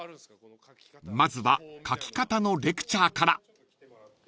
［まずは描き方のレクチャーから］